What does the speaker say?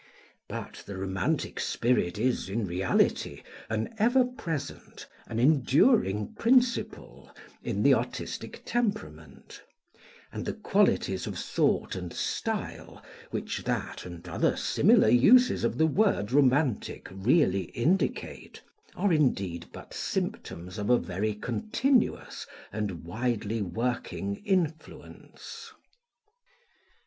But the romantic spirit is, in reality, an ever present, an enduring principle, in the artistic temperament; and the qualities of thought and style which that, and other similar uses of the word romantic really indicate, are indeed but symptoms of a very continuous and widely working influence.